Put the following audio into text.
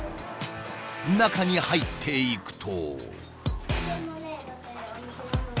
中に入っていくと。